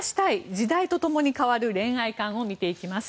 時代と共に変わる恋愛観を見ていきます。